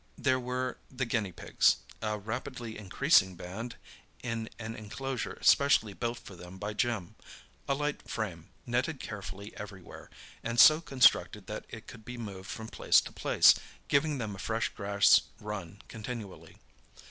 There were the guinea pigs—a rapidly increasing band, in an enclosure specially built for them by Jim—a light frame, netted carefully everywhere, and so constructed that it could be moved from place to place, giving them a fresh grass run continually.